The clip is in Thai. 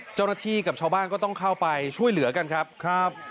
เจ้าหน้าที่กับชาวบ้านก็ต้องเข้าไปช่วยเหลือกันครับครับ